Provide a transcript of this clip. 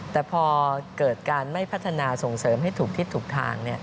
แต่พอเกิดการไม่พัฒนาส่งเสริมให้ถูกทิศถูกทาง